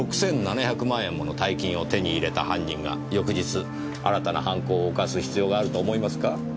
６７００万円もの大金を手に入れた犯人が翌日新たな犯行を犯す必要があると思いますか？